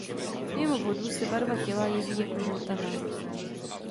Mimo vodu se barva těla jeví jako žlutavá.